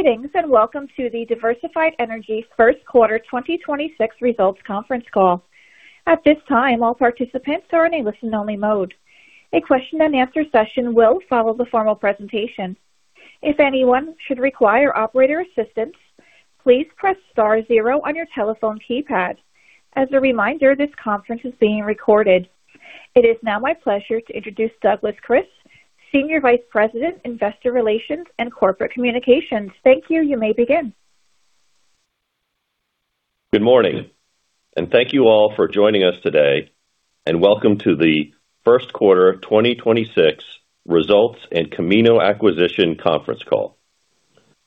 Greetings, welcome to the Diversified Energy first quarter 2026 results conference call. At this time, all participants are in a listen-only mode. A question-and-answer session will follow the formal presentation. If anyone should require operator assistance, please press star zero on your telephone keypad. As a reminder, this conference is being recorded. It is now my pleasure to introduce Douglas Kris, Senior Vice President, Investor Relations and Corporate Communications. Thank you. You may begin. Good morning, and thank you all for joining us today, and welcome to the first quarter 2026 results and Camino Acquisition conference call.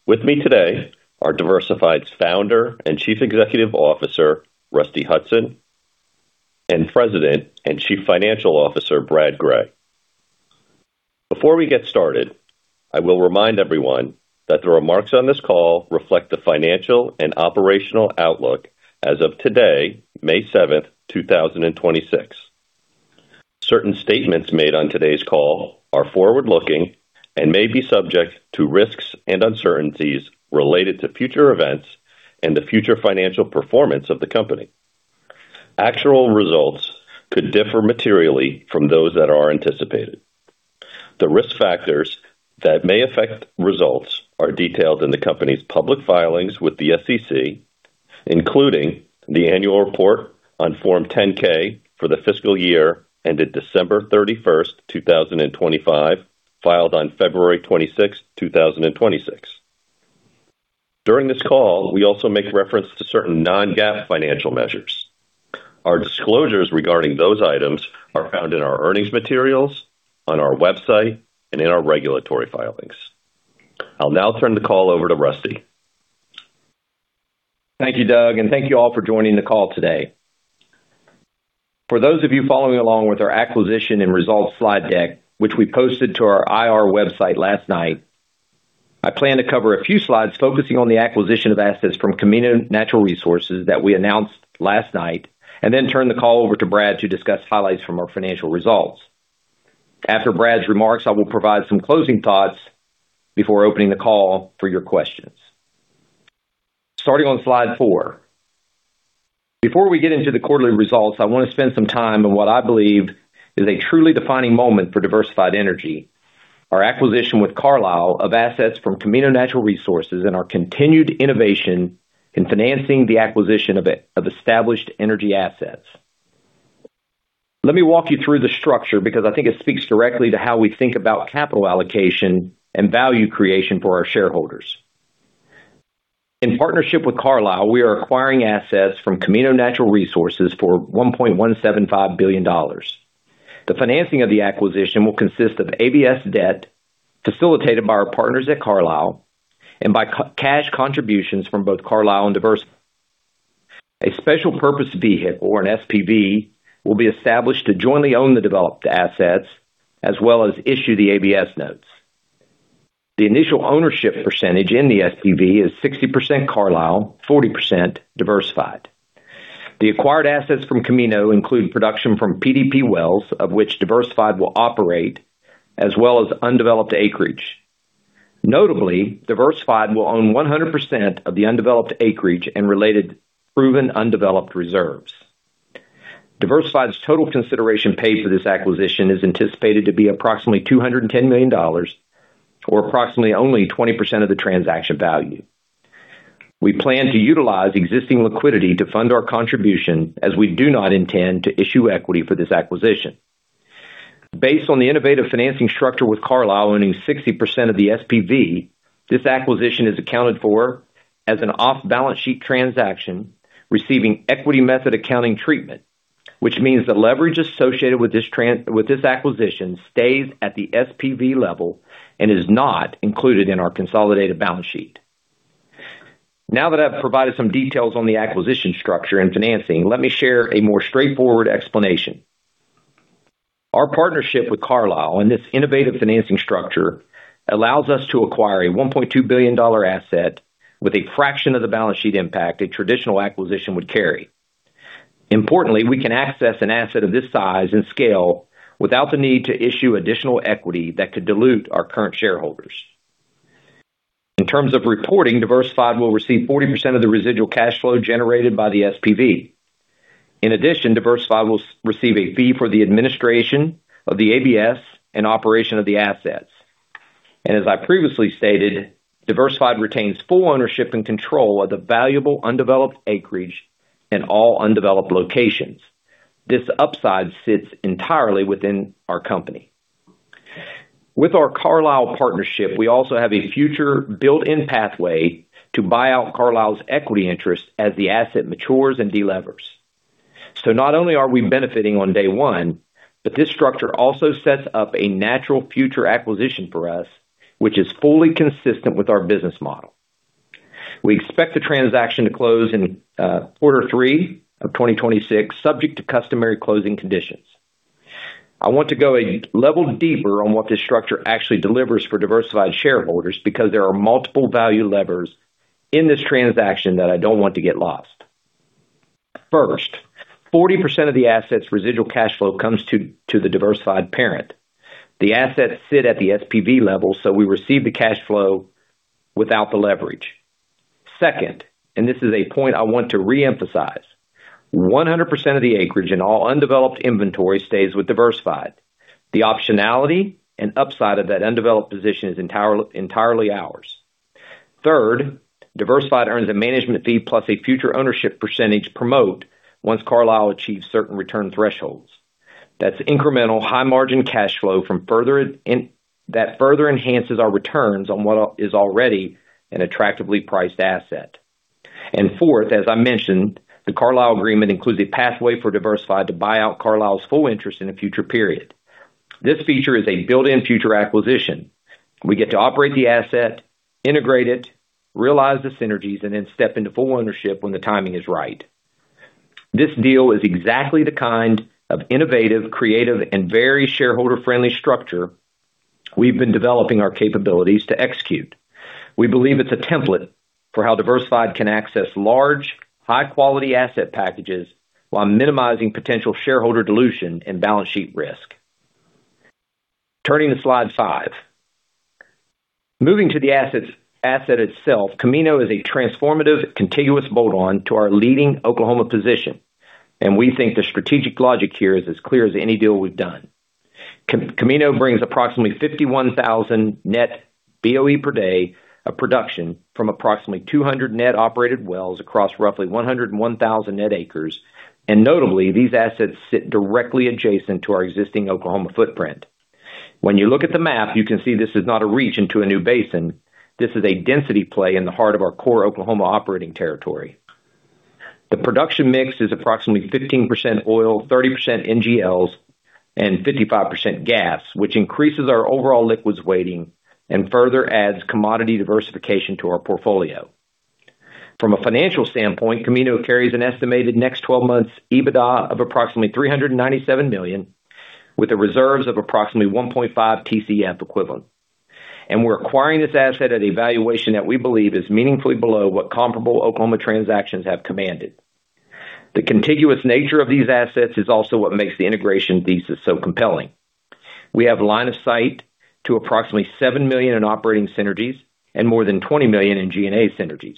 With me today are Diversified's Founder and Chief Executive Officer, Rusty Hutson, and President and Chief Financial Officer, Brad Gray. Before we get started, I will remind everyone that the remarks on this call reflect the financial and operational outlook as of today, May 7th, 2026. Certain statements made on today's call are forward-looking and may be subject to risks and uncertainties related to future events and the future financial performance of the company. Actual results could differ materially from those that are anticipated. The risk factors that may affect results are detailed in the company's public filings with the SEC, including the annual report on Form 10-K for the fiscal year ended December 31st, 2025, filed on February 26th, 2026. During this call, we also make reference to certain non-GAAP financial measures. Our disclosures regarding those items are found in our earnings materials, on our website, and in our regulatory filings. I'll now turn the call over to Rusty. Thank you, Doug, and thank you all for joining the call today. For those of you following along with our acquisition and results slide deck, which we posted to our IR website last night, I plan to cover a few slides focusing on the acquisition of assets from Camino Natural Resources that we announced last night, and then turn the call over to Brad to discuss highlights from our financial results. After Brad's remarks, I will provide some closing thoughts before opening the call for your questions. Starting on slide 4. Before we get into the quarterly results, I want to spend some time on what I believe is a truly defining moment for Diversified Energy, our acquisition with Carlyle of assets from Camino Natural Resources, and our continued innovation in financing the acquisition of established energy assets. Let me walk you through the structure because I think it speaks directly to how we think about capital allocation and value creation for our shareholders. In partnership with Carlyle, we are acquiring assets from Camino Natural Resources for $1.175 billion. The financing of the acquisition will consist of ABS debt facilitated by our partners at Carlyle and by cash contributions from both Carlyle and Diversified. A special purpose vehicle or an SPV will be established to jointly own the developed assets as well as issue the ABS notes. The initial ownership percentage in the SPV is 60% Carlyle, 40% Diversified. The acquired assets from Camino include production from PDP wells, of which Diversified will operate, as well as undeveloped acreage. Notably, Diversified will own 100% of the undeveloped acreage and related proven undeveloped reserves. Diversified's total consideration paid for this acquisition is anticipated to be approximately $210 million or approximately only 20% of the transaction value. We plan to utilize existing liquidity to fund our contribution as we do not intend to issue equity for this acquisition. Based on the innovative financing structure, with Carlyle owning 60% of the SPV, this acquisition is accounted for as an off-balance sheet transaction receiving equity method accounting treatment, which means the leverage associated with this acquisition stays at the SPV level and is not included in our consolidated balance sheet. Now that I've provided some details on the acquisition structure and financing, let me share a more straightforward explanation. Our partnership with Carlyle and this innovative financing structure allows us to acquire a $1.2 billion asset with a fraction of the balance sheet impact a traditional acquisition would carry. Importantly, we can access an asset of this size and scale without the need to issue additional equity that could dilute our current shareholders. In terms of reporting, Diversified will receive 40% of the residual cash flow generated by the SPV. In addition, Diversified will receive a fee for the administration of the ABS and operation of the assets. As I previously stated, Diversified retains full ownership and control of the valuable undeveloped acreage in all undeveloped locations. This upside sits entirely within our company. With our Carlyle partnership, we also have a future built-in pathway to buy out Carlyle's equity interest as the asset matures and delevers. Not only are we benefiting on day one, but this structure also sets up a natural future acquisition for us, which is fully consistent with our business model. We expect the transaction to close in quarter three of 2026, subject to customary closing conditions. I want to go a level deeper on what this structure actually delivers for Diversified shareholders because there are multiple value levers in this transaction that I don't want to get lost. First, 40% of the assets residual cash flow comes to the Diversified parent. The assets sit at the SPV level, so we receive the cash flow without the leverage. Second, this is a point I want to re-emphasize. 100% of the acreage in all undeveloped inventory stays with Diversified. The optionality and upside of that undeveloped position is entirely ours. Third, Diversified Energy earns a management fee plus a future ownership percentage promote once Carlyle achieves certain return thresholds. That's incremental high margin cash flow from that further enhances our returns on what is already an attractively priced asset. Fourth, as I mentioned, the Carlyle agreement includes a pathway for Diversified Energy to buy out Carlyle's full interest in a future period. This feature is a built-in future acquisition. We get to operate the asset, integrate it, realize the synergies, and then step into full ownership when the timing is right. This deal is exactly the kind of innovative, creative, and very shareholder-friendly structure we've been developing our capabilities to execute. We believe it's a template for how Diversified Energy can access large, high-quality asset packages while minimizing potential shareholder dilution and balance sheet risk. Turning to slide five. Moving to the asset itself, Camino is a transformative contiguous bolt-on to our leading Oklahoma position. We think the strategic logic here is as clear as any deal we've done. Camino brings approximately 51,000 net BOE per day of production from approximately 200 net operated wells across roughly 101,000 net acres. Notably, these assets sit directly adjacent to our existing Oklahoma footprint. When you look at the map, you can see this is not a reach into a new basin. This is a density play in the heart of our core Oklahoma operating territory. The production mix is approximately 15% oil, 30% NGLs, and 55% gas, which increases our overall liquids weighting and further adds commodity diversification to our portfolio. From a financial standpoint, Camino carries an estimated next 12 months EBITDA of approximately $397 million, with the reserves of approximately 1.5 TCF equivalent. We're acquiring this asset at a valuation that we believe is meaningfully below what comparable Oklahoma transactions have commanded. The contiguous nature of these assets is also what makes the integration thesis so compelling. We have line of sight to approximately $7 million in operating synergies and more than $20 million in G&A synergies.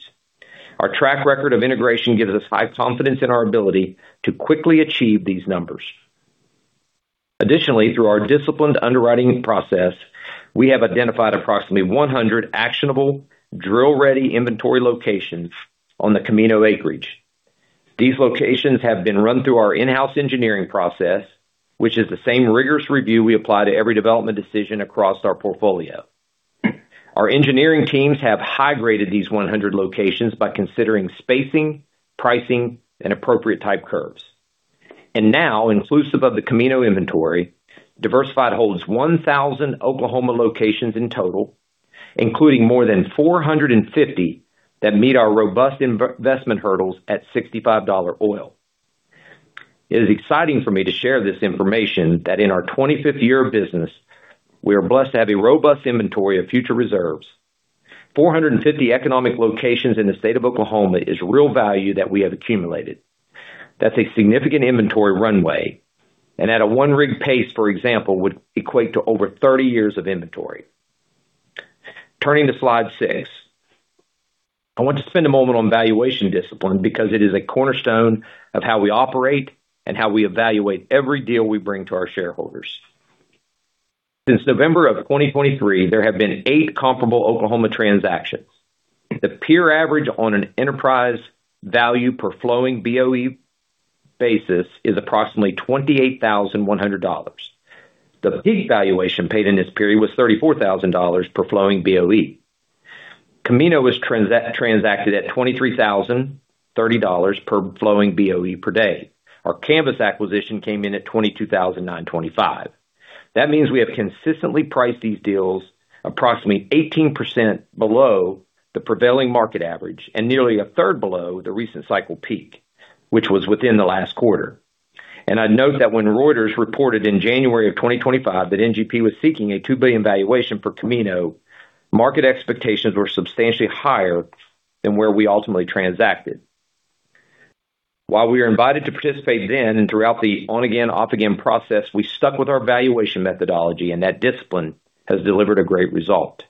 Our track record of integration gives us high confidence in our ability to quickly achieve these numbers. Additionally, through our disciplined underwriting process, we have identified approximately 100 actionable, drill-ready inventory locations on the Camino acreage. These locations have been run through our in-house engineering process, which is the same rigorous review we apply to every development decision across our portfolio. Our engineering teams have high graded these 100 locations by considering spacing, pricing, and appropriate type curves. Now, inclusive of the Camino inventory, Diversified holds 1,000 Oklahoma locations in total, including more than 450 that meet our robust investment hurdles at $65 oil. It is exciting for me to share this information that in our 25th year of business, we are blessed to have a robust inventory of future reserves. 450 economic locations in the state of Oklahoma is real value that we have accumulated. That's a significant inventory runway, and at a 1-rig pace, for example, would equate to over 30 years of inventory. Turning to slide six. I want to spend a moment on valuation discipline because it is a cornerstone of how we operate and how we evaluate every deal we bring to our shareholders. Since November of 2023, there have been eight comparable Oklahoma transactions. The peer average on an enterprise value per flowing BOE basis is approximately $28,100. The peak valuation paid in this period was $34,000 per flowing BOE. Camino was transacted at $23,030 per flowing BOE per day. Our Canvas acquisition came in at $22,925. That means we have consistently priced these deals approximately 18% below the prevailing market average and nearly a third below the recent cycle peak, which was within the last quarter. And I'd note that when Reuters reported in January of 2025 that NGP was seeking a $2 billion valuation for Camino, market expectations were substantially higher than where we ultimately transacted. While we were invited to participate then and throughout the on-again, off-again process, we stuck with our valuation methodology, and that discipline has delivered a great result.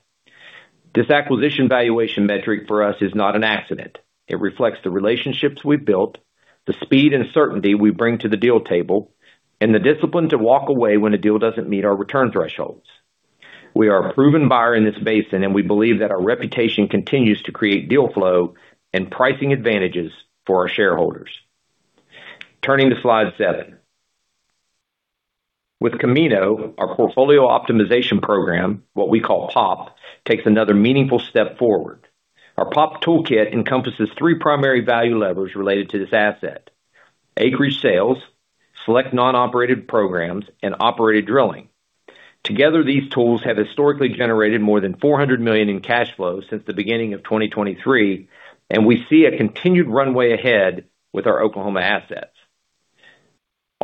This acquisition valuation metric for us is not an accident. It reflects the relationships we've built, the speed and certainty we bring to the deal table, and the discipline to walk away when a deal doesn't meet our return thresholds. We are a proven buyer in this basin, and we believe that our reputation continues to create deal flow and pricing advantages for our shareholders. Turning to slide seven. With Camino, our Portfolio Optimization Program, what we call POP, takes another meaningful step forward. Our POP toolkit encompasses three primary value levers related to this asset: acreage sales, select non-operated programs, and operated drilling. Together, these tools have historically generated more than $400 million in cash flows since the beginning of 2023. We see a continued runway ahead with our Oklahoma assets.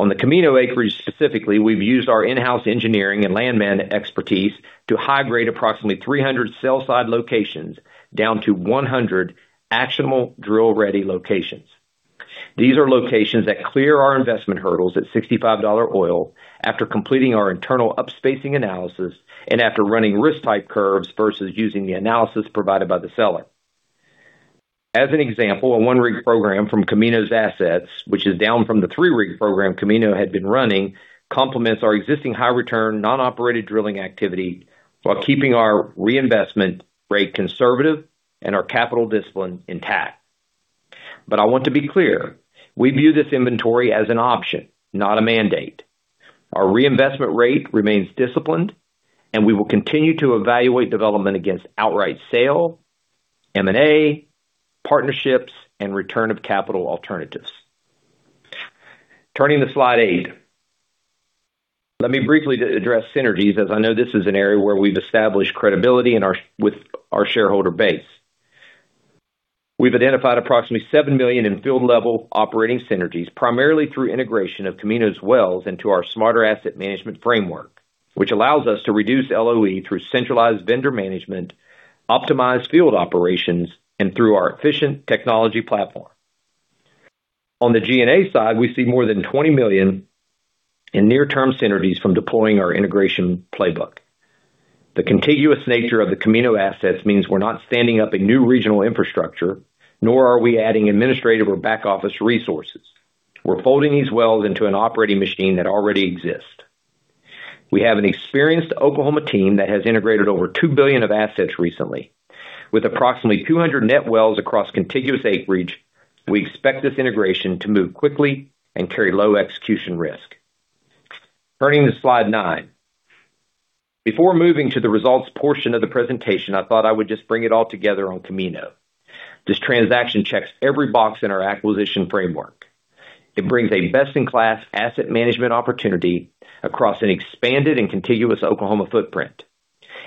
On the Camino acreage specifically, we've used our in-house engineering and landman expertise to high-grade approximately 300 sell-side locations down to 100 actionable drill-ready locations. These are locations that clear our investment hurdles at $65 oil after completing our internal upspacing analysis and after running risk type curves versus using the analysis provided by the seller. As an example, a 1-rig program from Camino's assets, which is down from the 3-rig program Camino had been running, complements our existing high return, non-operated drilling activity while keeping our reinvestment rate conservative and our capital discipline intact. I want to be clear, we view this inventory as an option, not a mandate. Our reinvestment rate remains disciplined, and we will continue to evaluate development against outright sale, M&A, partnerships, and return of capital alternatives. Turning to slide 8. Let me briefly address synergies, as I know this is an area where we've established credibility with our shareholder base. We've identified approximately $7 million in field-level operating synergies, primarily through integration of Camino's wells into our smarter asset management framework, which allows us to reduce LOE through centralized vendor management, optimized field operations, and through our efficient technology platform. On the G&A side, we see more than $20 million in near-term synergies from deploying our integration playbook. The contiguous nature of the Camino assets means we're not standing up a new regional infrastructure, nor are we adding administrative or back-office resources. We're folding these wells into an operating machine that already exists. We have an experienced Oklahoma team that has integrated over $2 billion of assets recently. With approximately 200 net wells across contiguous acreage, we expect this integration to move quickly and carry low execution risk. Turning to slide 9. Before moving to the results portion of the presentation, I thought I would just bring it all together on Camino. This transaction checks every box in our acquisition framework. It brings a best-in-class asset management opportunity across an expanded and contiguous Oklahoma footprint.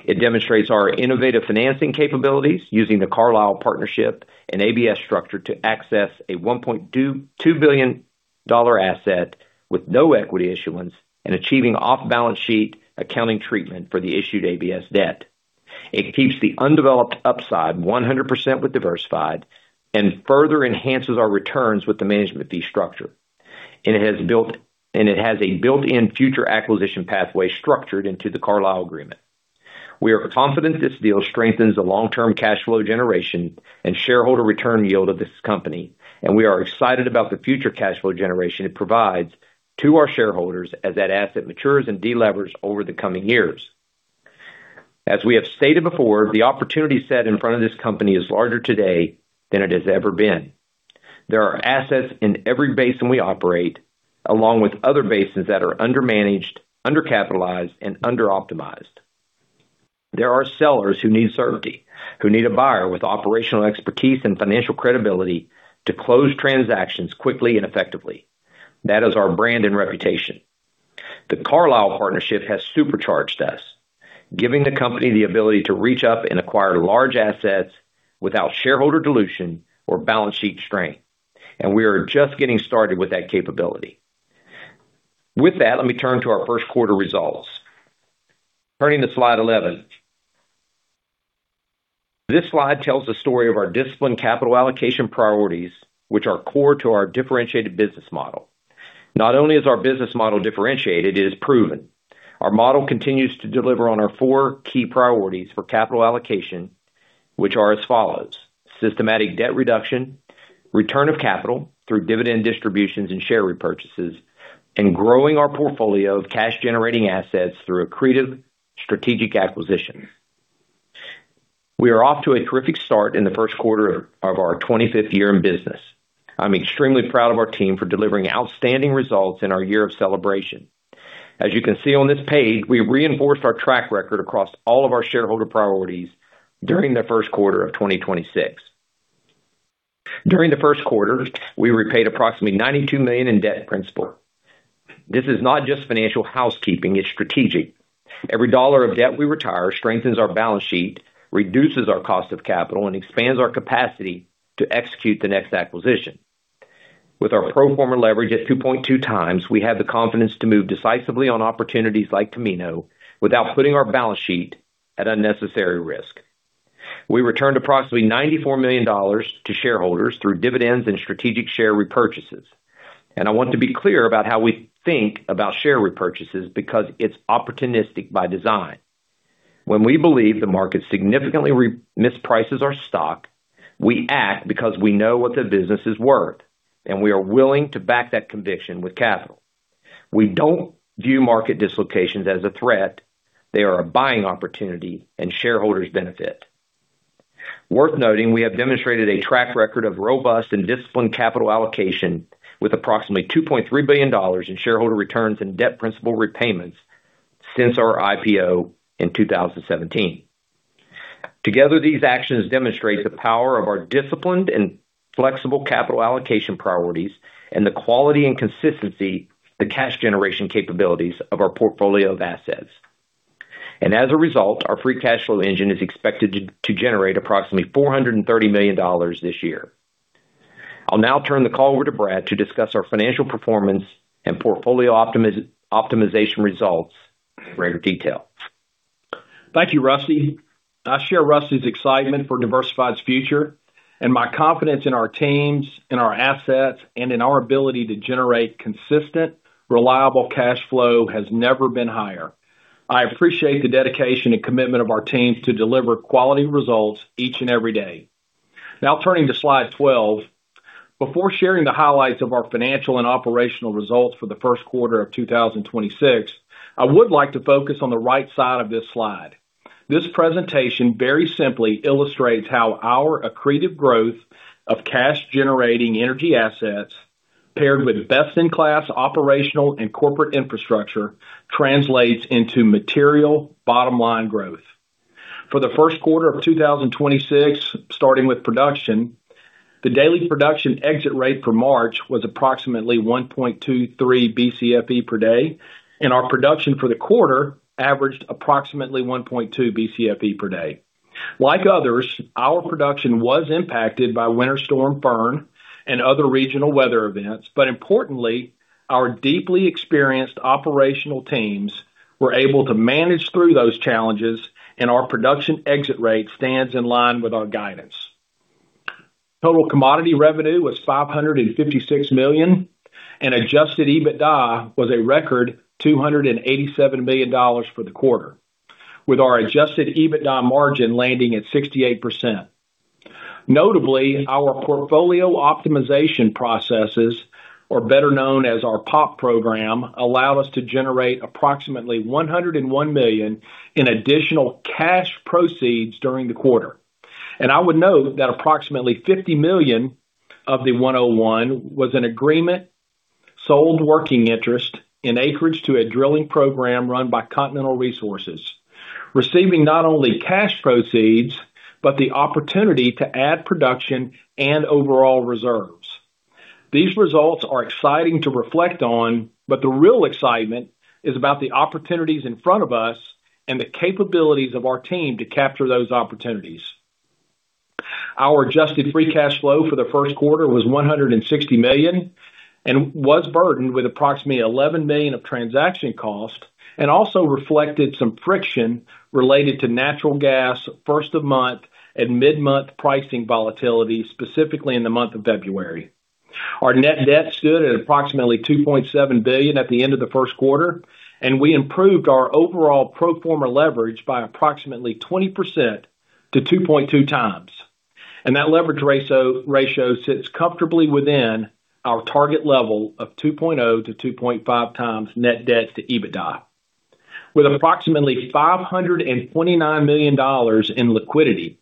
It demonstrates our innovative financing capabilities using the Carlyle partnership and ABS structure to access a $1.2 billion asset with no equity issuance and achieving off-balance sheet accounting treatment for the issued ABS debt. It keeps the undeveloped upside 100% with Diversified and further enhances our returns with the management fee structure. It has a built-in future acquisition pathway structured into the Carlyle agreement. We are confident this deal strengthens the long-term cash flow generation and shareholder return yield of this company, and we are excited about the future cash flow generation it provides to our shareholders as that asset matures and delevers over the coming years. As we have stated before, the opportunity set in front of this company is larger today than it has ever been. There are assets in every basin we operate, along with other basins that are undermanaged, undercapitalized, and underoptimized. There are sellers who need certainty, who need a buyer with operational expertise and financial credibility to close transactions quickly and effectively. That is our brand and reputation. The Carlyle partnership has supercharged us, giving the company the ability to reach up and acquire large assets without shareholder dilution or balance sheet strain. We are just getting started with that capability. With that, let me turn to our first quarter results. Turning to slide 11. This slide tells the story of our disciplined capital allocation priorities, which are core to our differentiated business model. Not only is our business model differentiated, it is proven. Our model continues to deliver on our four key priorities for capital allocation, which are as follows: systematic debt reduction, return of capital through dividend distributions and share repurchases, and growing our portfolio of cash-generating assets through accretive strategic acquisitions. We are off to a terrific start in the first quarter of our 25th year in business. I'm extremely proud of our team for delivering outstanding results in our year of celebration. As you can see on this page, we reinforced our track record across all of our shareholder priorities during the first quarter of 2026. During the first quarter, we repaid approximately $92 million in debt principal. This is not just financial housekeeping, it's strategic. Every dollar of debt we retire strengthens our balance sheet, reduces our cost of capital, and expands our capacity to execute the next acquisition. With our pro forma leverage at 2.2x, we have the confidence to move decisively on opportunities like Camino without putting our balance sheet at unnecessary risk. We returned approximately $94 million to shareholders through dividends and strategic share repurchases. I want to be clear about how we think about share repurchases because it's opportunistic by design. When we believe the market significantly misprices our stock, we act because we know what the business is worth, and we are willing to back that conviction with capital. We don't view market dislocations as a threat. They are a buying opportunity, shareholders benefit. Worth noting, we have demonstrated a track record of robust and disciplined capital allocation with approximately $2.3 billion in shareholder returns and debt principal repayments since our IPO in 2017. Together, these actions demonstrate the power of our disciplined and flexible capital allocation priorities and the quality and consistency, the cash generation capabilities of our portfolio of assets. As a result, our free cash flow engine is expected to generate approximately $430 million this year. I'll now turn the call over to Brad to discuss our financial performance and portfolio optimization results in greater detail. Thank you, Rusty. I share Rusty's excitement for Diversified's future, and my confidence in our teams and our assets and in our ability to generate consistent, reliable cash flow has never been higher. I appreciate the dedication and commitment of our teams to deliver quality results each and every day. Now turning to slide 12. Before sharing the highlights of our financial and operational results for the first quarter of 2026, I would like to focus on the right side of this slide. This presentation very simply illustrates how our accretive growth of cash generating energy assets paired with best-in-class operational and corporate infrastructure translates into material bottom-line growth. For the first quarter of 2026, starting with production, the daily production exit rate for March was approximately 1.23 Bcfe per day, and our production for the quarter averaged approximately 1.2 Bcfe per day. Like others, our production was impacted by Winter Storm Fern and other regional weather events. Importantly, our deeply experienced operational teams were able to manage through those challenges, and our production exit rate stands in line with our guidance. Total commodity revenue was $556 million, and adjusted EBITDA was a record $287 million for the quarter, with our adjusted EBITDA margin landing at 68%. Notably, our portfolio optimization processes, or better known as our POP program, allow us to generate approximately $101 million in additional cash proceeds during the quarter. I would note that approximately $50 million of the $101 was an agreement sold working interest in acreage to a drilling program run by Continental Resources, receiving not only cash proceeds, but the opportunity to add production and overall reserves. These results are exciting to reflect on, but the real excitement is about the opportunities in front of us and the capabilities of our team to capture those opportunities. Our adjusted free cash flow for the first quarter was $160 million and was burdened with approximately $11 million of transaction costs and also reflected some friction related to natural gas first of month and mid-month pricing volatility, specifically in the month of February. Our net debt stood at approximately $2.7 billion at the end of the first quarter. We improved our overall pro forma leverage by approximately 20% to 2.2x. That leverage ratio sits comfortably within our target level of 2.0x to -2.5x net debt to EBITDA. With approximately $529 million in liquidity,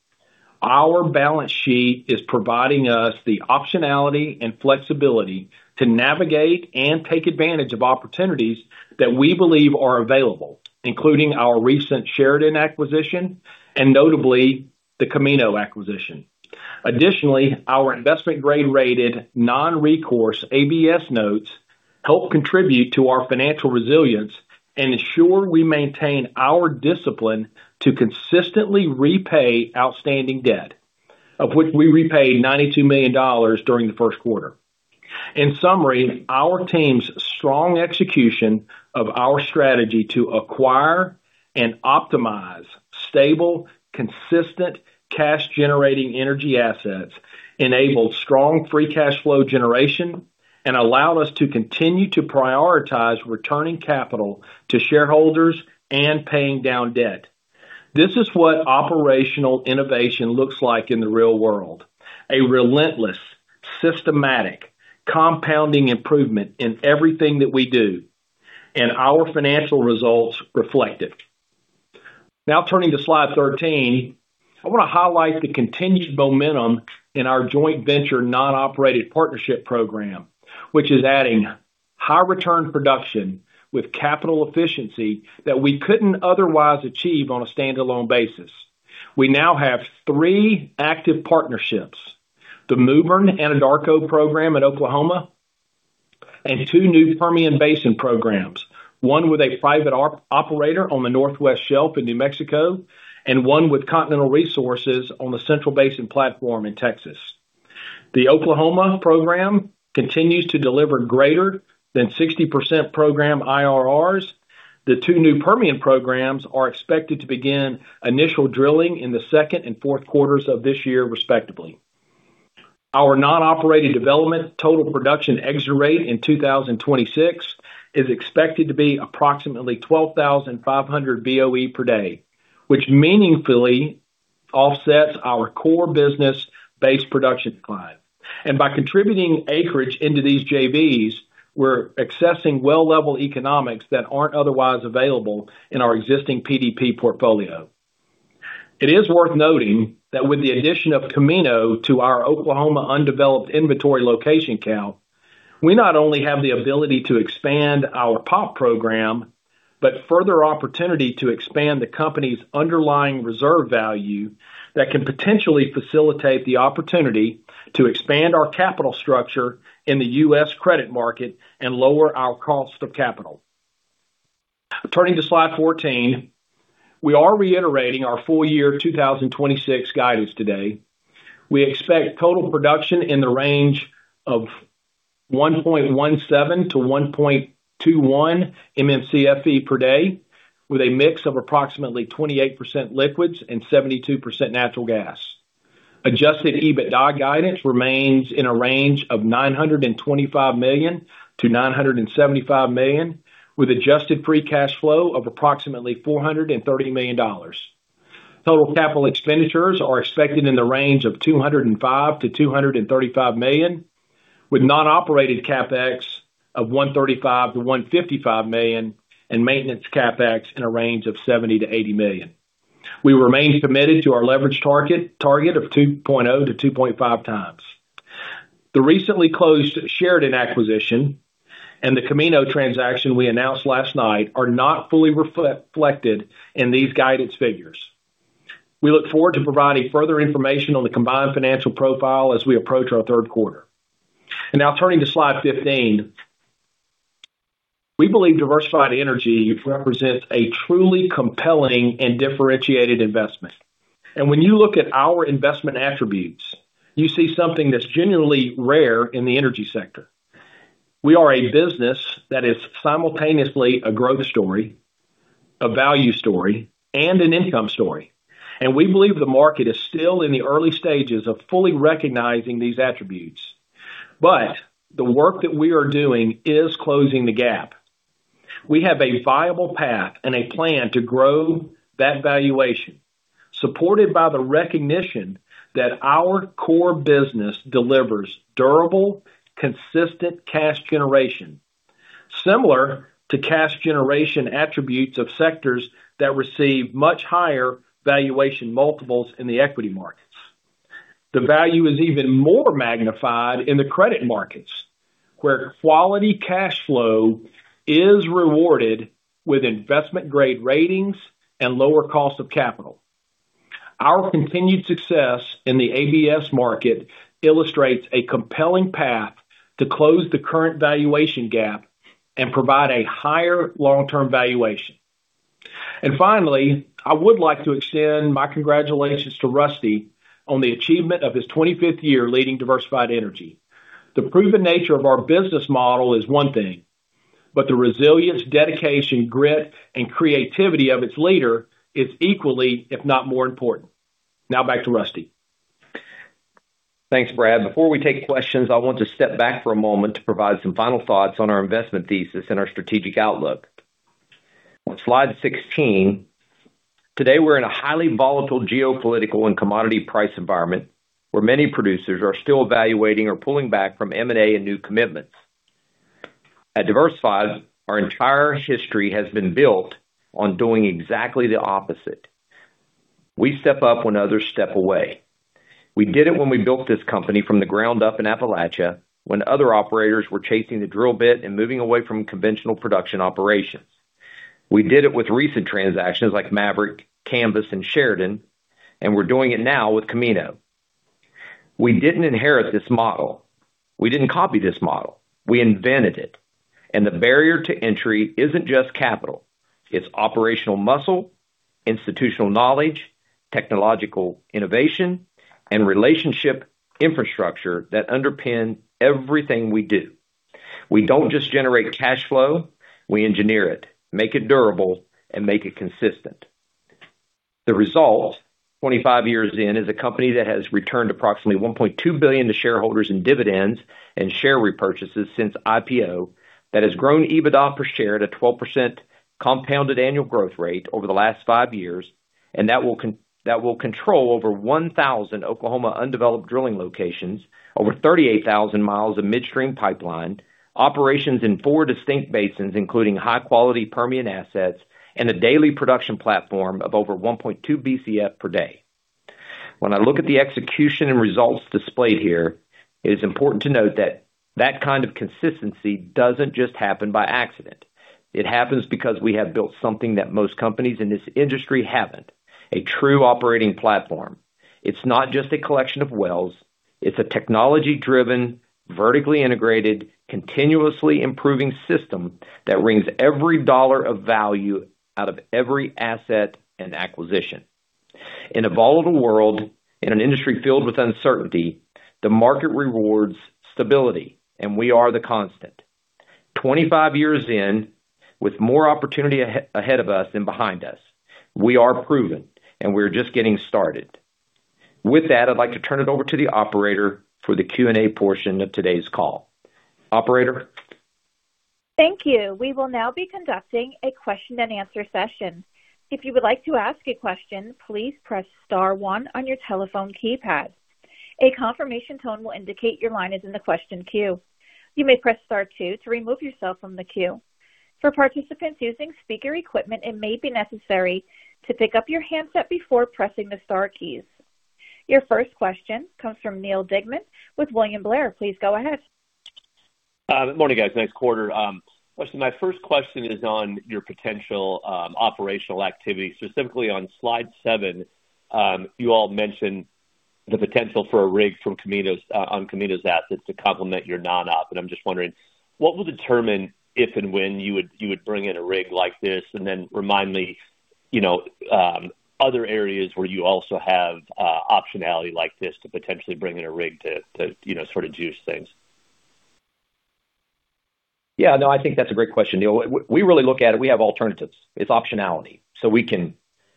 our balance sheet is providing us the optionality and flexibility to navigate and take advantage of opportunities that we believe are available, including our recent Sheridan acquisition and notably the Camino acquisition. Additionally, our investment grade rated non-recourse ABS notes help contribute to our financial resilience and ensure we maintain our discipline to consistently repay outstanding debt, of which we repaid $92 million during the first quarter. In summary, our team's strong execution of our strategy to acquire and optimize stable, consistent cash-generating energy assets enabled strong free cash flow generation and allowed us to continue to prioritize returning capital to shareholders and paying down debt. This is what operational innovation looks like in the real world. A relentless, systematic, compounding improvement in everything that we do, and our financial results reflect it. Now, turning to slide 13, I wanna highlight the continued momentum in our joint venture non-operated partnership program, which is adding high return production with capital efficiency that we couldn't otherwise achieve on a standalone basis. We now have three active partnerships, the Mewbourne Anadarko program in Oklahoma and two new Permian Basin programs, one with a private op-operator on the Northwest Shelf in New Mexico, and one with Continental Resources on the Central Basin Platform in Texas. The Oklahoma program continues to deliver greater than 60% program IRRs. The two new Permian programs are expected to begin initial drilling in the second and fourth quarters of this year, respectively. Our non-operated development total production exit rate in 2026 is expected to be approximately 12,500 BOE per day, which meaningfully offsets our core business base production decline. By contributing acreage into these JVs, we're accessing well level economics that aren't otherwise available in our existing PDP portfolio. It is worth noting that with the addition of Camino to our Oklahoma undeveloped inventory location count, we not only have the ability to expand our POP program, but further opportunity to expand the company's underlying reserve value that can potentially facilitate the opportunity to expand our capital structure in the U.S. credit market and lower our cost of capital. Turning to slide 14, we are reiterating our full year 2026 guidance today. We expect total production in the range of 1.17-1.21 MMCFE per day, with a mix of approximately 28% liquids and 72% natural gas. Adjusted EBITDA guidance remains in a range of $925 million-$975 million, with adjusted free cash flow of approximately $430 million. Total capital expenditures are expected in the range of $205 million-$235 million, with non-operated CapEx of $135 million-$155 million, and maintenance CapEx in a range of $70 million-$80 million. We remain committed to our leverage target of 2.0x to -2.5x. The recently closed Sheridan acquisition and the Camino transaction we announced last night are not fully reflected in these guidance figures. We look forward to providing further information on the combined financial profile as we approach our third quarter. Now turning to slide 15. We believe Diversified Energy represents a truly compelling and differentiated investment. When you look at our investment attributes, you see something that's genuinely rare in the energy sector. We are a business that is simultaneously a growth story, a value story, and an income story. We believe the market is still in the early stages of fully recognizing these attributes. The work that we are doing is closing the gap. We have a viable path and a plan to grow that valuation, supported by the recognition that our core business delivers durable, consistent cash generation, similar to cash generation attributes of sectors that receive much higher valuation multiples in the equity markets. The value is even more magnified in the credit markets, where quality cash flow is rewarded with investment-grade ratings and lower cost of capital. Our continued success in the ABS market illustrates a compelling path to close the current valuation gap and provide a higher long-term valuation. Finally, I would like to extend my congratulations to Rusty on the achievement of his 25th year leading Diversified Energy. The proven nature of our business model is one thing, but the resilience, dedication, grit, and creativity of its leader is equally, if not more important. Now back to Rusty. Thanks, Brad. Before we take questions, I want to step back for a moment to provide some final thoughts on our investment thesis and our strategic outlook. On slide 16, today we're in a highly volatile geopolitical and commodity price environment where many producers are still evaluating or pulling back from M&A and new commitments. At Diversified, our entire history has been built on doing exactly the opposite. We step up when others step away. We did it when we built this company from the ground up in Appalachia when other operators were chasing the drill bit and moving away from conventional production operations. We did it with recent transactions like Maverick, Canvas, and Sheridan. We're doing it now with Camino. We didn't inherit this model. We didn't copy this model. We invented it. The barrier to entry isn't just capital. It's operational muscle, institutional knowledge, technological innovation, and relationship infrastructure that underpin everything we do. We don't just generate cash flow, we engineer it, make it durable, and make it consistent. The result, 25 years in, is a company that has returned approximately $1.2 billion to shareholders in dividends and share repurchases since IPO, that has grown EBITDA per share at a 12% compounded annual growth rate over the last five years, and that will control over 1,000 Oklahoma undeveloped drilling locations, over 38,000 mi of midstream pipeline, operations in four distinct basins, including high-quality Permian assets, and a daily production platform of over 1.2 BCF per day. When I look at the execution and results displayed here, it is important to note that that kind of consistency doesn't just happen by accident. It happens because we have built something that most companies in this industry haven't, a true operating platform. It's not just a collection of wells. It's a technology-driven, vertically integrated, continuously improving system that wrings every dollar of value out of every asset and acquisition. In a volatile world, in an industry filled with uncertainty, the market rewards stability, and we are the constant. 25 years in, with more opportunity ahead of us than behind us, we are proven, and we're just getting started. With that, I'd like to turn it over to the operator for the Q&A portion of today's call. Operator? Thank you. We will now be conducting a question and answer session. If you would like to ask a question please press star one on your telephone keypad. A confirmation tone will indicate you're line is in the question queue. You may pres star two to remove yourself on the queue. For participants using speaker equipment, it may be necessary to pick up your headset before pressing the star key. Your first question comes from Neal Dingmann with William Blair. Please go ahead. Good morning, guys. Nice quarter. Rusty, my first question is on your potential operational activity. Specifically on slide 7, you all mentioned the potential for a rig from Camino's on Camino's assets to complement your non-op. I'm just wondering what will determine if and when you would bring in a rig like this? Then remind me, you know, other areas where you also have optionality like this to potentially bring in a rig to, you know, sort of juice things. Yeah, no, I think that's a great question, Neal Dingmann. We really look at it, we have alternatives. It's optionality. We can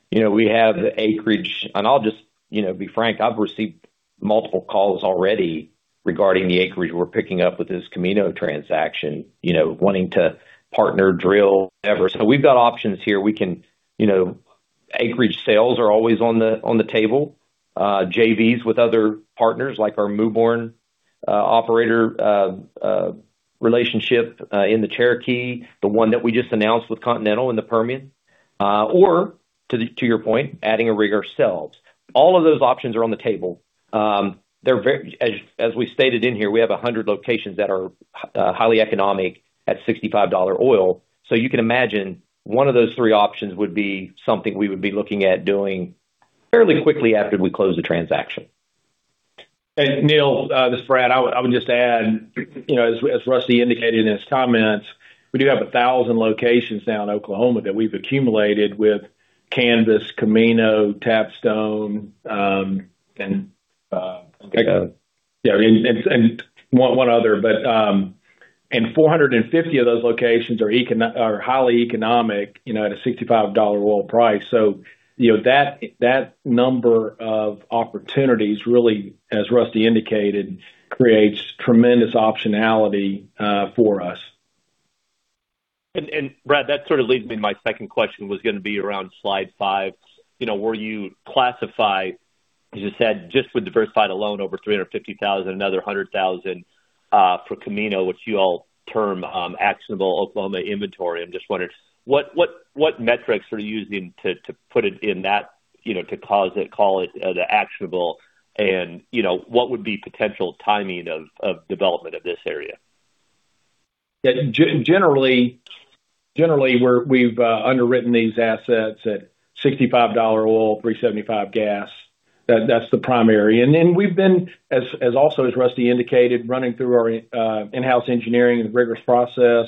You know, we have the acreage. I'll just, you know, be frank, I've received multiple calls already regarding the acreage we're picking up with this Camino transaction, you know, wanting to partner, drill, whatever. We've got options here. We can, you know, acreage sales are always on the table. JVs with other partners like our Mewbourne operator relationship in the Cherokee, the one that we just announced with Continental in the Permian. Or to your point, adding a rig ourselves. All of those options are on the table. They're very As we stated in here, we have 100 locations that are highly economic at $65 oil. You can imagine one of those three options would be something we would be looking at doing fairly quickly after we close the transaction. Neal, this is Brad, I would just add, as Rusty indicated in his comments, we do have 1,000 locations down in Oklahoma that we've accumulated with Canvas, Camino, Tapstone, and. Echo. One other. 450 of those locations are highly economic, you know, at a $65 oil price. You know, that number of opportunities really, as Rusty indicated, creates tremendous optionality for us. Brad, that sort of leads me to my second question, was gonna be around slide five. You know, where you classify, as you said, just with Diversified alone over 350,000, another 100,000 for Camino, which you all term actionable Oklahoma inventory. I'm just wondering what metrics are you using to put it in that, you know, to call it the actionable and, you know, what would be potential timing of development of this area? Yeah. Generally, we've underwritten these assets at $65 oil, $3.75 gas. That's the primary. Then we've been, as also as Rusty indicated, running through our in-house engineering and rigorous process.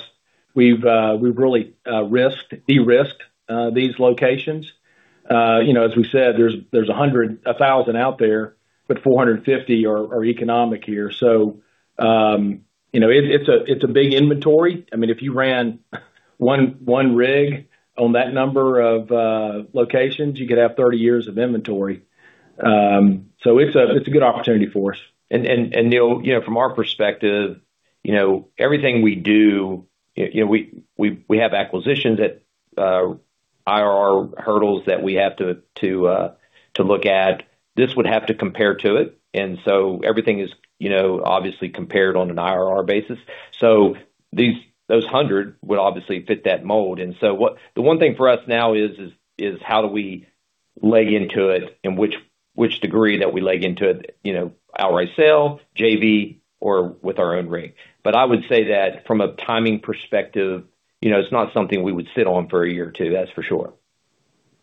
We've really de-risked these locations. You know, as we said, there's a thousand out there, but 450 are economic here. You know, it's a big inventory. I mean, if you ran one rig on that number of locations, you could have 30 years of inventory. It's a good opportunity for us. Neal, you know, from our perspective, you know, we have acquisitions that IRR hurdles that we have to look at. This would have to compare to it. Everything is, you know, obviously compared on an IRR basis. These, those 100 would obviously fit that mold. The one thing for us now is how do we leg into it and which degree that we leg into it, you know, outright sale, JV, or with our own rig. I would say that from a timing perspective, you know, it's not something we would sit on for a year or two, that's for sure.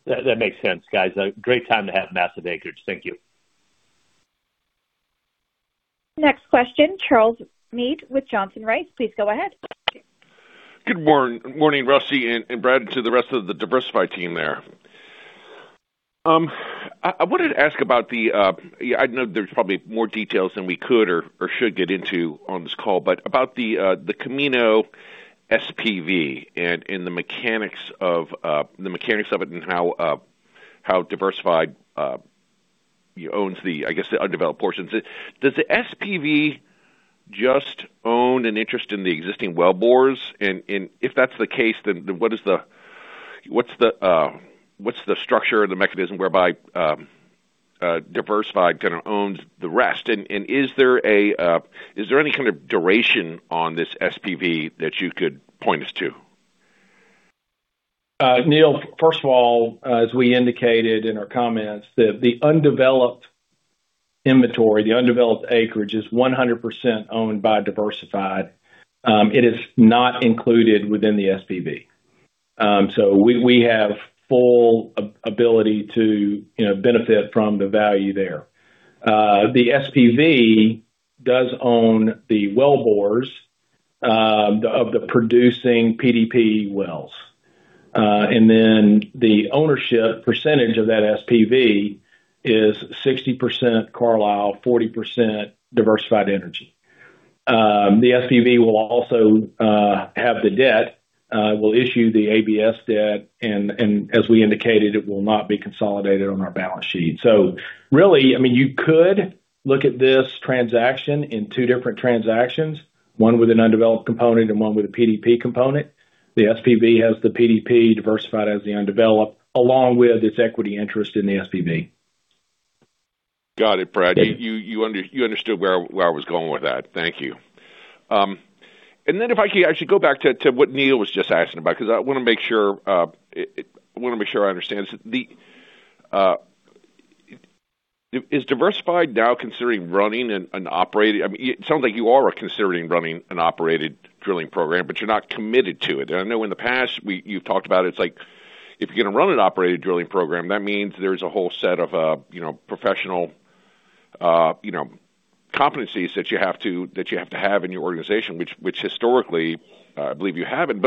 That makes sense, guys. A great time to have massive acreage. Thank you. Next question, Charles Meade with Johnson Rice. Please go ahead. Good morning, Rusty and Brad, and to the rest of the Diversified Energy team there. I wanted to ask about the, yeah, I know there's probably more details than we could or should get into on this call, but about the Camino SPV and the mechanics of the mechanics of it and how Diversified Energy owns the, I guess, the undeveloped portions. Does the SPV just own an interest in the existing wellbores? If that's the case, then what is the What's the structure or the mechanism whereby Diversified Energy kinda owns the rest? Is there any kind of duration on this SPV that you could point us to? Neal, first of all, as we indicated in our comments, the undeveloped inventory, the undeveloped acreage is 100% owned by Diversified. It is not included within the SPV. We have full ability to, you know, benefit from the value there. The SPV does own the wellbores of the producing PDP wells. The ownership percentage of that SPV is 60% Carlyle, 40% Diversified Energy. The SPV will also have the debt, will issue the ABS debt, as we indicated, it will not be consolidated on our balance sheet. Really, I mean, you could look at this transaction in two different transactions, one with an undeveloped component and one with a PDP component. The SPV has the PDP, Diversified has the undeveloped, along with its equity interest in the SPV. Got it, Brad. You understood where I was going with that. Thank you. Then if I could actually go back to what Neil was just asking about, 'cause I wanna make sure I understand this. Is Diversified now considering running an operated drilling program, I mean, it sounds like you are considering running an operated drilling program, but you're not committed to it. I know in the past you've talked about it's like if you're gonna run an operated drilling program, that means there's a whole set of, you know, professional, you know, competencies that you have to have in your organization, which historically, I believe you haven't.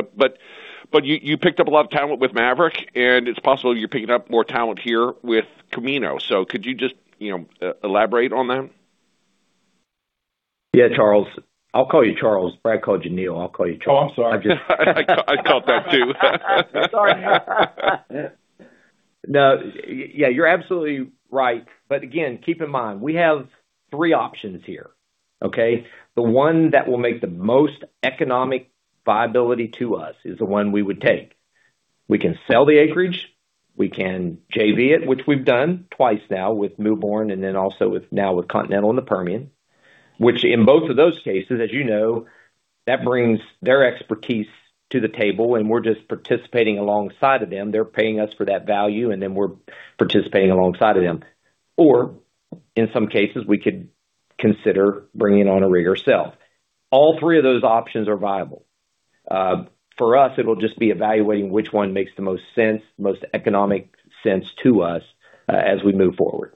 You picked up a lot of talent with Maverick, and it's possible you're picking up more talent here with Camino. Could you just, you know, elaborate on that? Yeah, Charles. I'll call you Charles. Brad called you Neal. I'll call you Charles. Oh, I'm sorry. I caught that too. Sorry. No. Yeah, you're absolutely right. Again, keep in mind, we have three options here, okay? The one that will make the most economic viability to us is the one we would take. We can sell the acreage, we can JV it, which we've done twice now with Mewbourne and then also now with Continental in the Permian. In both of those cases, as you know, that brings their expertise to the table, and we're just participating alongside of them. They're paying us for that value, and then we're participating alongside of them. In some cases, we could consider bringing on a rig ourself. All three of those options are viable. For us, it'll just be evaluating which one makes the most sense, most economic sense to us, as we move forward.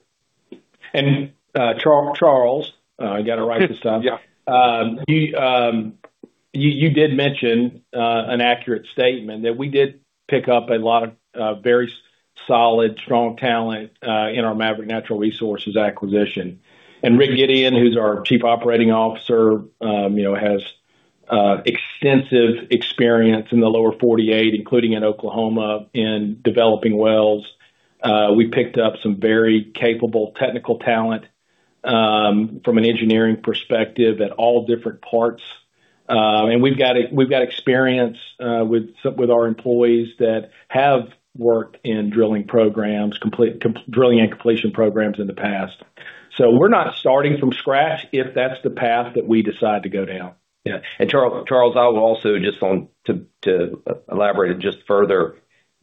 Charles, I gotta write this down. Yeah. You did mention an accurate statement that we did pick up a lot of very solid, strong talent in our Maverick Natural Resources acquisition. Rick Gideon, who's our Chief Operating Officer, you know, has extensive experience in the lower 48, including in Oklahoma, in developing wells. We picked up some very capable technical talent from an engineering perspective at all different parts. We've got experience with some with our employees that have worked in drilling programs, drilling and completion programs in the past. We're not starting from scratch if that's the path that we decide to go down. Yeah. Charles, I will also just elaborate further,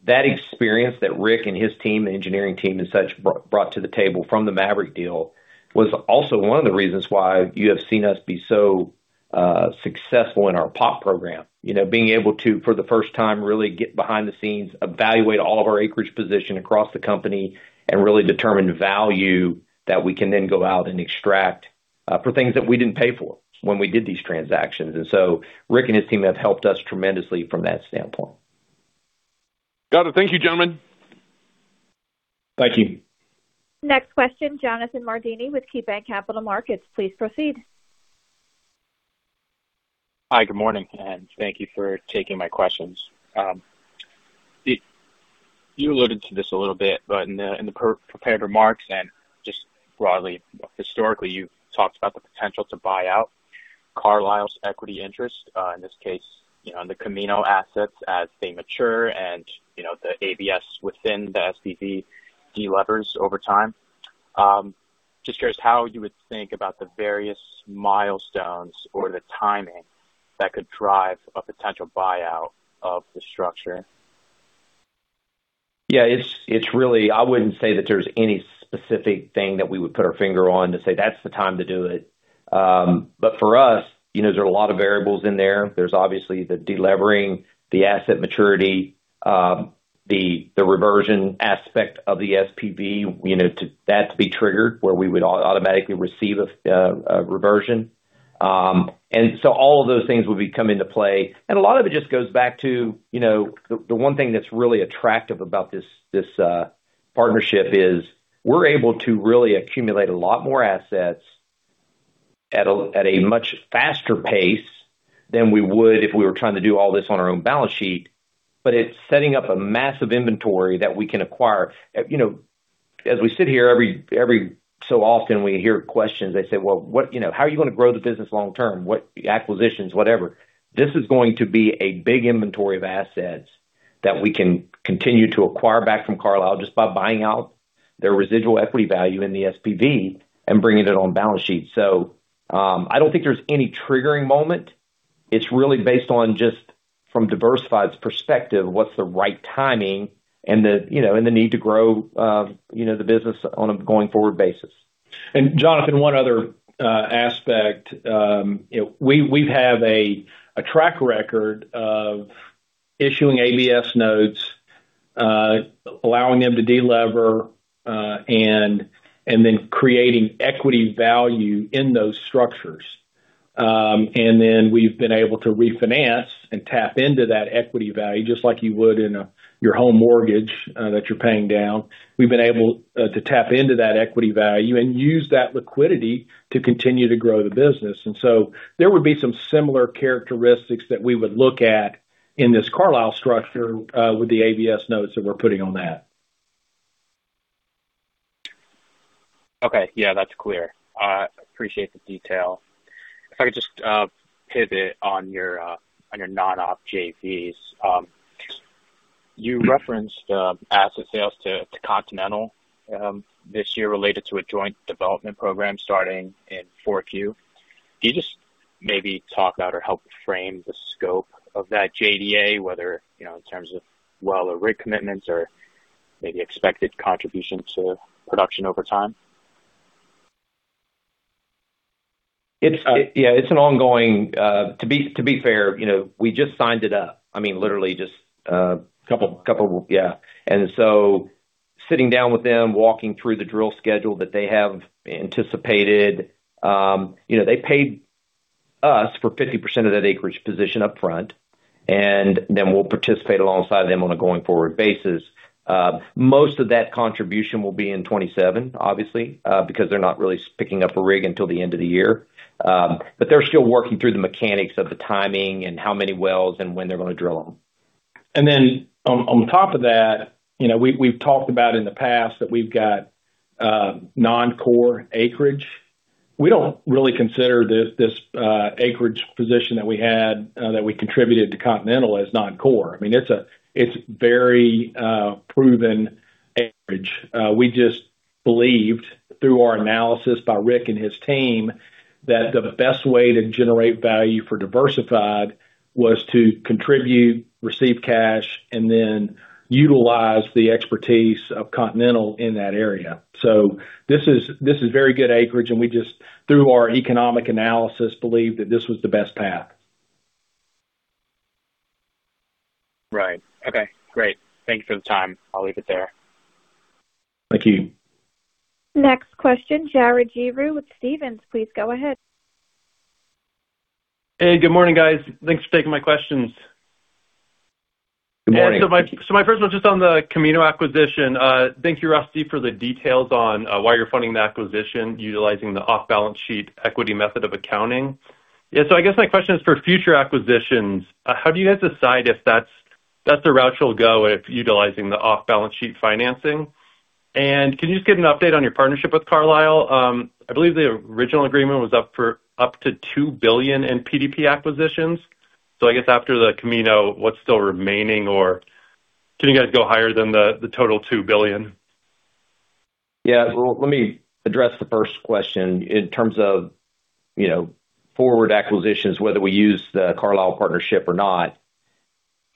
that experience that Rick and his team, the engineering team and such, brought to the table from the Maverick deal was also one of the reasons why you have seen us be so successful in our POP program. You know, being able to, for the first time, really get behind the scenes, evaluate all of our acreage position across the company, and really determine value that we can then go out and extract for things that we didn't pay for when we did these transactions. Rick and his team have helped us tremendously from that standpoint. Got it. Thank you, gentlemen. Thank you. Next question, Jonathan Mardini with KeyBanc Capital Markets, please proceed. Hi, good morning, and thank you for taking my questions. You alluded to this a little bit, but in the, in the per-prepared remarks and just broadly, historically, you've talked about the potential to buy out Carlyle's equity interest, in this case, you know, in the Camino assets as they mature and, you know, the ABS within the SPV delevers over time. Just curious how you would think about the various milestones or the timing that could drive a potential buyout of the structure. It's really I wouldn't say that there's any specific thing that we would put our finger on to say, "That's the time to do it." For us, you know, there are a lot of variables in there. There's obviously the de-levering, the asset maturity, the reversion aspect of the SPV, you know, to that to be triggered, where we would automatically receive a reversion. All of those things would come into play. A lot of it just goes back to, you know, the one thing that's really attractive about this partnership is we're able to really accumulate a lot more assets at a much faster pace than we would if we were trying to do all this on our own balance sheet. It's setting up a massive inventory that we can acquire. You know, as we sit here every so often, we hear questions. They say, "What, you know, how are you gonna grow the business long term? What acquisitions?" This is going to be a big inventory of assets that we can continue to acquire back from Carlyle just by buying out their residual equity value in the SPV and bringing it on balance sheet. I don't think there's any triggering moment. It's really based on just from Diversified's perspective, what's the right timing and the, you know, and the need to grow, you know, the business on a going forward basis. Jonathan, one other aspect. You know, we have a track record of issuing ABS notes, allowing them to de-lever, and then creating equity value in those structures. And then we've been able to refinance and tap into that equity value, just like you would in your home mortgage that you're paying down. We've been able to tap into that equity value and use that liquidity to continue to grow the business. There would be some similar characteristics that we would look at in this Carlyle structure with the ABS notes that we're putting on that. Okay. Yeah, that's clear. Appreciate the detail. If I could just pivot on your non-op JVs. You referenced asset sales to Continental this year related to a joint development program starting in 4Q. Can you just maybe talk about or help frame the scope of that JDA, whether, you know, in terms of well or rig commitments or maybe expected contribution to production over time? It's, yeah, it's an ongoing. To be fair, you know, we just signed it up. I mean, literally just, couple, yeah. Sitting down with them, walking through the drill schedule that they have anticipated, you know, they paid us for 50% of that acreage position up front, and then we'll participate alongside of them on a going forward basis. Most of that contribution will be in 2027, obviously, because they're not really picking up a rig until the end of the year. They're still working through the mechanics of the timing and how many wells and when they're gonna drill them. On top of that, you know, we've talked about in the past that we've got non-core acreage. We don't really consider this acreage position that we had that we contributed to Continental as non-core. I mean, it's very proven acreage. We just believed through our analysis by Rick Gideon and his team that the best way to generate value for Diversified Energy was to contribute, receive cash, and then utilize the expertise of Continental in that area. This is very good acreage, and we just, through our economic analysis, believed that this was the best path. Right. Okay, great. Thank you for the time. I'll leave it there. Thank you. Next question, Jared Giroux with Stephens, please go ahead. Hey, good morning, guys. Thanks for taking my questions. Good morning. My first one's just on the Camino acquisition. Thank you, Rusty, for the details on why you're funding the acquisition utilizing the off-balance sheet equity method of accounting. I guess my question is for future acquisitions, how do you guys decide if that's the route you'll go if utilizing the off-balance sheet financing? Can you just give an update on your partnership with Carlyle? I believe the original agreement was up to $2 billion in PDP acquisitions. I guess after the Camino, what's still remaining, or can you guys go higher than the total $2 billion? Yeah. Well, let me address the first question. In terms of, you know, forward acquisitions, whether we use the Carlyle partnership or not,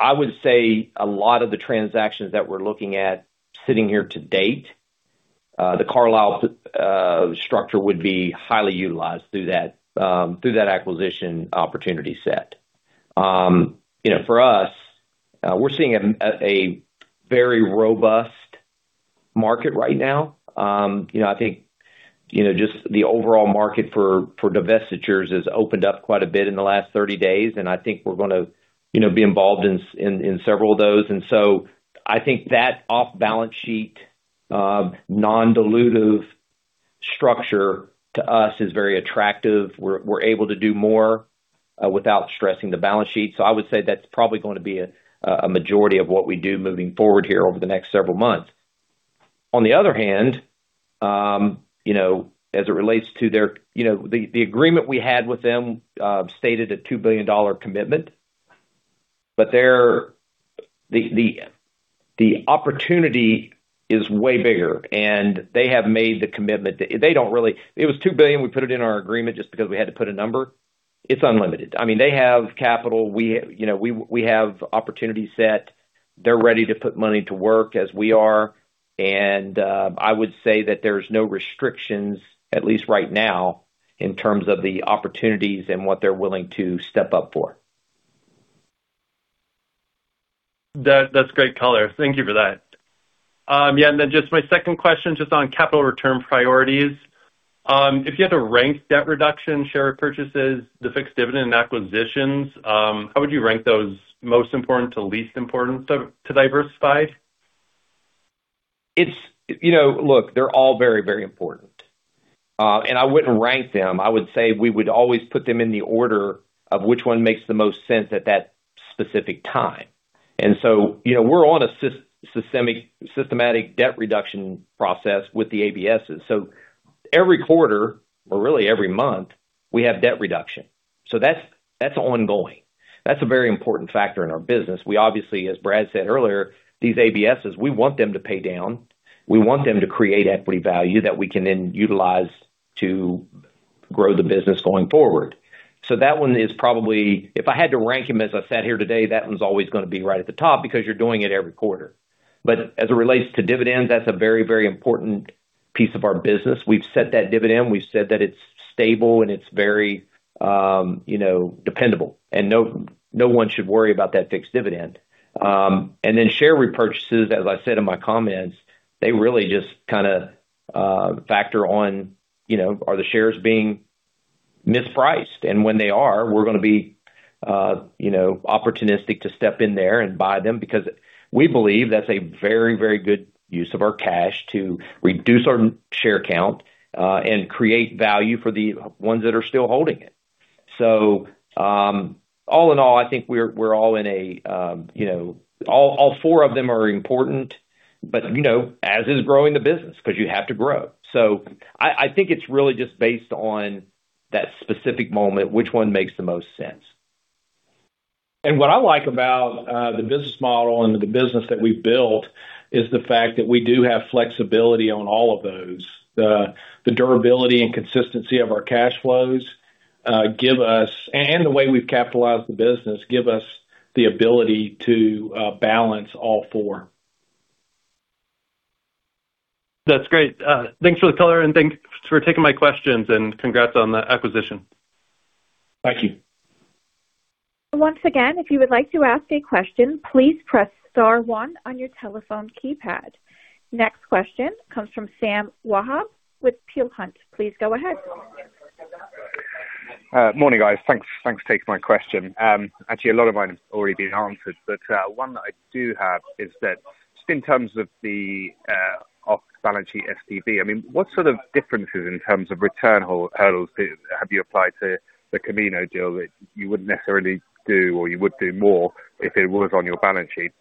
I would say a lot of the transactions that we're looking at sitting here to date, the Carlyle structure would be highly utilized through that through that acquisition opportunity set. You know, for us, we're seeing a very robust market right now. You know, I think, you know, just the overall market for divestitures has opened up quite a bit in the last 30 days, and I think we're gonna, you know, be involved in several of those. I think that off-balance sheet, non-dilutive structure to us is very attractive. We're able to do more without stressing the balance sheet. I would say that's probably gonna be a majority of what we do moving forward here over the next several months. On the other hand, you know, as it relates to their You know, the agreement we had with them, stated a $2 billion commitment, but the opportunity is way bigger, and they have made the commitment. It was $2 billion, we put it in our agreement just because we had to put a number. It's unlimited. I mean, they have capital. We, you know, we have opportunity set. They're ready to put money to work as we are. I would say that there's no restrictions, at least right now, in terms of the opportunities and what they're willing to step up for. That's great color. Thank you for that. Yeah, just my second question on capital return priorities. If you had to rank debt reduction, share purchases, the fixed dividend, and acquisitions, how would you rank those most important to least important to Diversified? It's You know, look, they're all very, very important. I wouldn't rank them. I would say we would always put them in the order of which one makes the most sense at that specific time. You know, we're on a systematic debt reduction process with the ABSes. Every quarter, or really every month, we have debt reduction. That's ongoing. That's a very important factor in our business. We obviously, as Brad said earlier, these ABSes, we want them to pay down. We want them to create equity value that we can then utilize to grow the business going forward. That one is probably If I had to rank them as I sat here today, that one's always gonna be right at the top because you're doing it every quarter. As it relates to dividends, that's a very, very important piece of our business. We've set that dividend. We've said that it's stable and it's very, you know, dependable, and no one should worry about that fixed dividend. Share repurchases, as I said in my comments, they really just kinda factor on, you know, are the shares being mispriced? When they are, we're gonna be, you know, opportunistic to step in there and buy them, because we believe that's a very, very good use of our cash to reduce our share count and create value for the ones that are still holding it. All in all, I think we're all in a, you know, all four of them are important, but, you know, as is growing the business, 'cause you have to grow. I think it's really just based on that specific moment, which one makes the most sense. What I like about the business model and the business that we've built is the fact that we do have flexibility on all of those. The durability and consistency of our cash flows and the way we've capitalized the business give us the ability to balance all four. That's great. Thanks for the color, and thanks for taking my questions, and congrats on the acquisition. Thank you. Once again, if you would like to ask a question, please press star one on your telephone keypad. Next question comes from Sam Wahab with Peel Hunt. Please go ahead. Morning, guys. Thanks, thanks for taking my question. Actually, a lot of mine have already been answered, but one that I do have is that just in terms of the off-balance sheet SPV, what sort of differences in terms of return hurdles have you applied to the Camino deal that you wouldn't necessarily do or you would do more if it was on your balance sheet?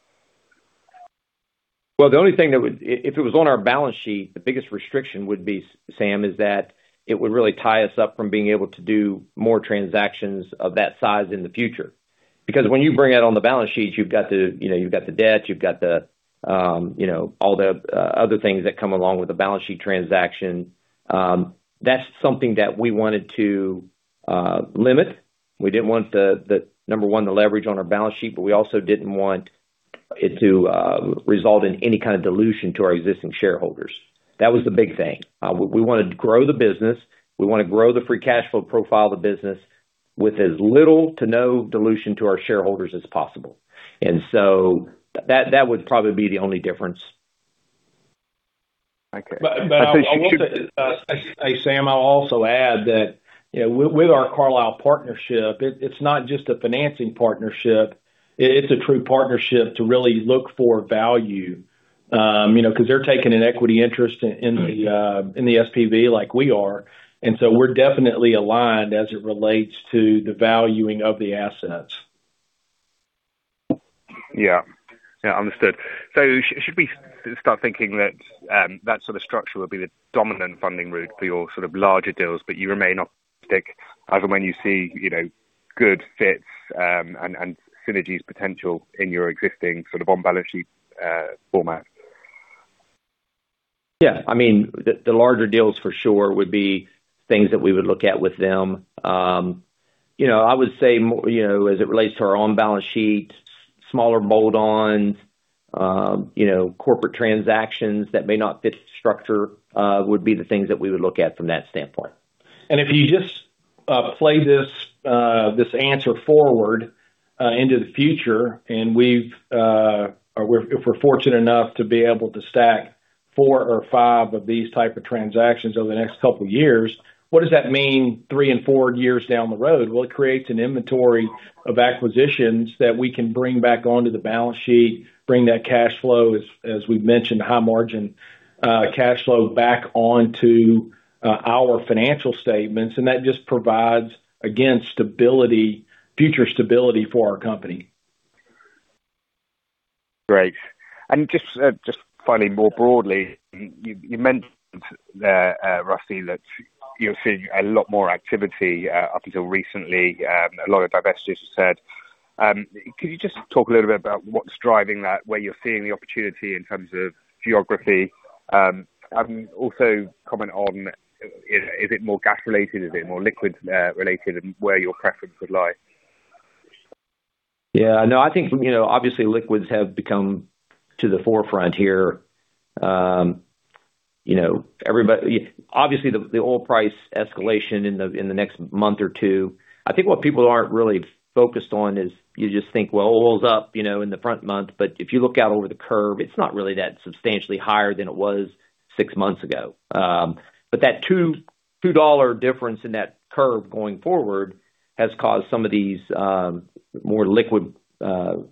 The only thing that if it was on our balance sheet, the biggest restriction would be, Sam, is that it would really tie us up from being able to do more transactions of that size in the future. When you bring it on the balance sheet, you've got the, you know, you've got the debt, you've got the, you know, all the other things that come along with a balance sheet transaction. That's something that we wanted to limit. We didn't want the number one, the leverage on our balance sheet, we also didn't want it to result in any kind of dilution to our existing shareholders. That was the big thing. We wanted to grow the business. We wanna grow the free cash flow profile of the business with as little to no dilution to our shareholders as possible. That would probably be the only difference. Okay. I want to, hey, Sam, I'll also add that, you know, with our Carlyle partnership, it's not just a financing partnership. It's a true partnership to really look for value. You know, 'cause they're taking an equity interest in the SPV like we are. We're definitely aligned as it relates to the valuing of the assets. Yeah, understood. Should we start thinking that that sort of structure will be the dominant funding route for your sort of larger deals, but you remain optimistic as when you see, you know, good fits and synergies potential in your existing sort of on-balance sheet format? Yeah. I mean, the larger deals for sure would be things that we would look at with them. You know, I would say more, you know, as it relates to our on-balance sheet, smaller bolt-ons, you know, corporate transactions that may not fit the structure, would be the things that we would look at from that standpoint. If you just play this answer forward into the future, or if we're fortunate enough to be able to stack four or five of these type of transactions over the next couple years, what does that mean three and four years down the road? Well, it creates an inventory of acquisitions that we can bring back onto the balance sheet, bring that cash flow, as we've mentioned, high margin cash flow back onto our financial statements, and that just provides, again, stability, future stability for our company. Great. Just finally more broadly, you mentioned there, Rusty, that you're seeing a lot more activity up until recently, a lot of divestiture set. Could you just talk a little bit about what's driving that, where you're seeing the opportunity in terms of geography? Also comment on, is it more gas related? Is it more liquids related and where your preference would lie? No, I think, you know, obviously liquids have become to the forefront here. Obviously, the oil price escalation in the next month or two, I think what people aren't really focused on is you just think, well, oil's up, you know, in the front month, but if you look out over the curve, it's not really that substantially higher than it was 6 months ago. That $2 difference in that curve going forward has caused some of these more liquid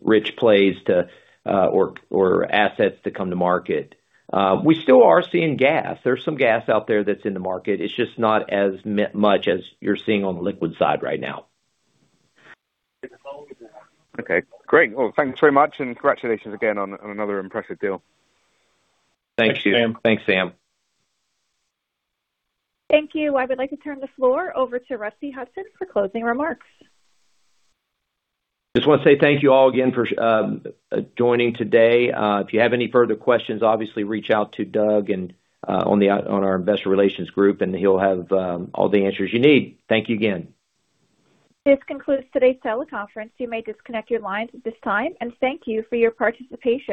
rich plays to, or assets to come to market. We still are seeing gas. There's some gas out there that's in the market. It's just not as much as you're seeing on the liquid side right now. Okay. Great. Thanks very much, and congratulations again on another impressive deal. Thank you. Thanks, Sam. Thank you. I would like to turn the floor over to Rusty Hutson for closing remarks. Just wanna say thank you all again for joining today. If you have any further questions, obviously reach out to Doug and on our investor relations group, and he'll have all the answers you need. Thank you again. This concludes today's teleconference. You may disconnect your lines at this time, and thank you for your participation.